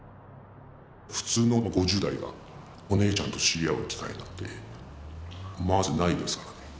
普通の５０代がお姉ちゃんと知り合う機会なんてまずないですからね。